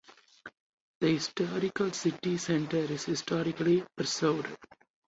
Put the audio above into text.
The historical city center is historically preserved.